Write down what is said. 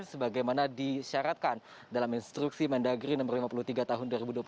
sebagaimana disyaratkan dalam instruksi mendagri no lima puluh tiga tahun dua ribu dua puluh satu